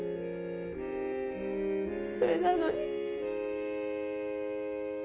それなのに。